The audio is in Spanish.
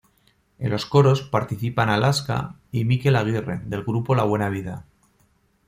En los coros participan Alaska y Mikel Aguirre del grupo La Buena Vida.